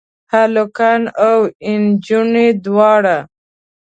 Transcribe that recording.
هلکان او انجونې دواړه؟